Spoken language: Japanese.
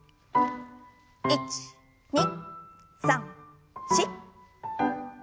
１２３４。